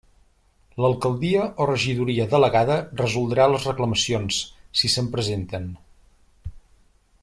L'Alcaldia o regidoria delegada resoldrà les reclamacions, si se'n presenten.